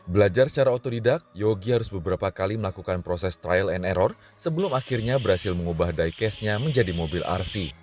belajar secara otodidak yogi harus beberapa kali melakukan proses trial and error sebelum akhirnya berhasil mengubah diecastnya menjadi mobil rc